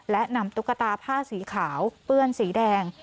และนำตุ๊กตาผ้าสีขาวเปื้อนสีแดง